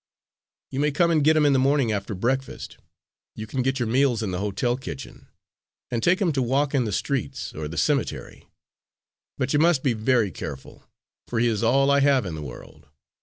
You may come and get him in the morning after breakfast you can get your meals in the hotel kitchen and take him to walk in the streets or the cemetery; but you must be very careful, for he is all I have in the world.